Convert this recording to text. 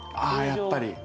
あやっぱり。